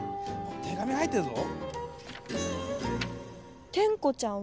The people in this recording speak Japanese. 手紙入ってるぞ。